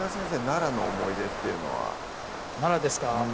奈良の思い出っていうのは奈良ですか？